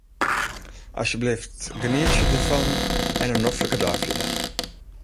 Asjebleaft, genietsje derfan en in noflike dei fierder.